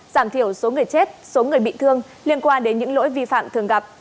giảm thiểu số người chết số người bị thương liên quan đến những lỗi vi phạm thường gặp